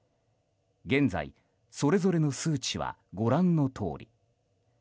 現在、それぞれの数値はご覧のとおり。